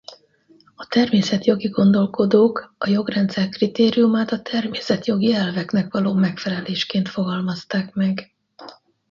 A természetjogi gondolkodók a jogrendszer kritériumát a természetjogi elveknek való megfelelésként fogalmazták meg.